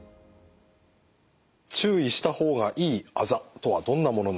注意した方がいいあざとはどんなものになりますか？